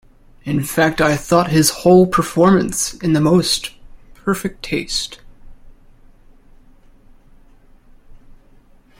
In fact, I thought his whole performance in the most perfect taste.